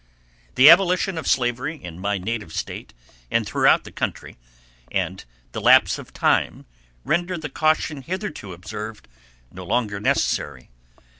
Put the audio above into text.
The abolition of slavery in my native State and throughout the country, and the lapse of time, render the caution hitherto observed no longer necessary.